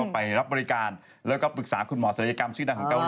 ไปรับบริการแล้วก็ปรึกษาคุณหมอศัลยกรรมชื่อดังของเกาหลี